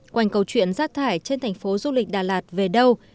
quanh câu chuyện rác thải trên thành phố du lịch đà lạt về đâu